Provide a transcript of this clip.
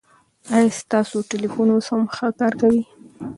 ایا ستاسو ټلېفون اوس هم ښه کار کوي؟